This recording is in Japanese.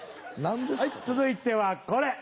はい続いてはこれ。